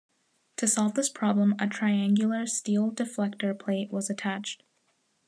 To solve this problem a triangular steel deflector plate was attached.